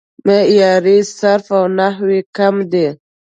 معیاري صرف او نحو کم دی